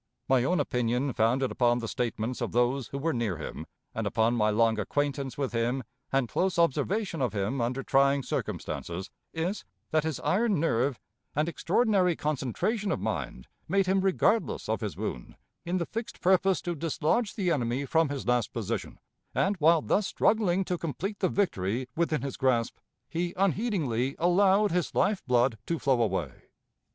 My own opinion, founded upon the statements of those who were near him, and upon my long acquaintance with him and close observation of him under trying circumstances, is, that his iron nerve and extraordinary concentration of mind made him regardless of his wound, in the fixed purpose to dislodge the enemy from his last position, and, while thus struggling to complete the victory within his grasp, he unheedingly allowed his life blood to flow away.